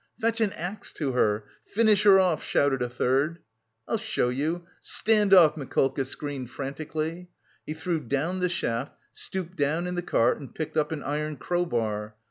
"Fetch an axe to her! Finish her off," shouted a third. "I'll show you! Stand off," Mikolka screamed frantically; he threw down the shaft, stooped down in the cart and picked up an iron crowbar.